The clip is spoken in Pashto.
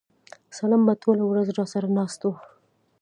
سالم به ټوله ورځ راسره ناست و.